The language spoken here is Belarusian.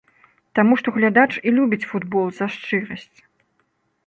Таму што глядач і любіць футбол за шчырасць.